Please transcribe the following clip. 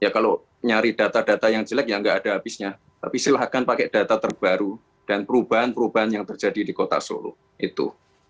ya kalau nyari data data yang jelek ya nggak ada habisnya tapi silahkan pakai data terbaru dan perubahan perubahan yang terjadi di kota solo itu